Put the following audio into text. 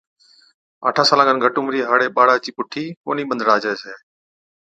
آٺان سالان کن گھٽ عمرِي ھاڙي ٻاڙا چِي بُٺِي ڪونھِي ٻنڌڙاجَي ڇَي۔